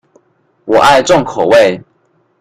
我愛重口味